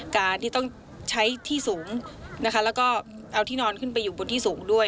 การที่ต้องใช้ที่สูงนะคะแล้วก็เอาที่นอนขึ้นไปอยู่บนที่สูงด้วย